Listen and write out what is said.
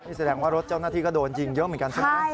นี่แสดงว่ารถเจ้าหน้าที่ก็โดนยิงเยอะเหมือนกันใช่ไหม